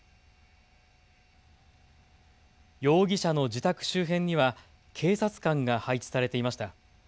容疑者の自宅周辺には警察官が配置されていました。